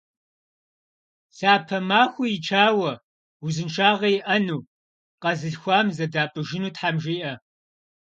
Лъапэ махуэ ичауэ, узыншагъэ иӀэну, къэзылъхуам зэдапӀыжыну Тхьэм жиӀэ!